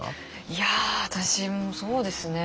いや私もそうですね。